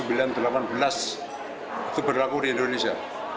itu berlaku di indonesia